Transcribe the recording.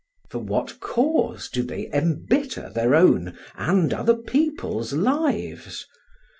For what cause do they embitter their own and other people's lives?